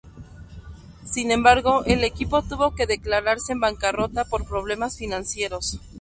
Sin embargo, el equipo tuvo que declararse en bancarrota por problemas financieros.